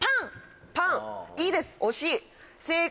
パンいいです。